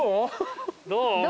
どう？